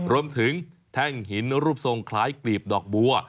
แท่งหินรูปทรงคล้ายกลีบดอกบัว